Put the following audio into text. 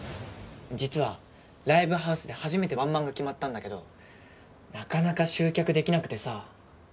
実はライブハウスで初めてワンマンが決まったんだけどなかなか集客できなくてさ。